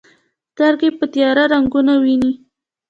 سترګې په تیاره رنګونه ویني.